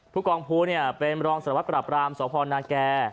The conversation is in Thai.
ภูกองภูเนี่ยเป็นรองสลวัสดิ์กราบรามสวพรนาแก่